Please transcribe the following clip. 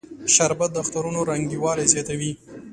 شربت د اخترونو رنگینوالی زیاتوي